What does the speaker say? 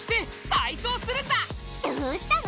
どうしたの？